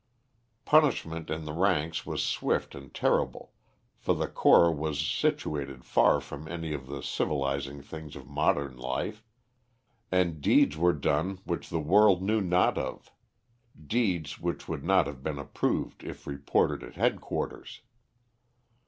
Punishment in the ranks was swift and terrible, for the corps was situated far from any of the civilising things of modern life, and deeds were done which the world knew not of; deeds which would not have been approved if reported at headquarters.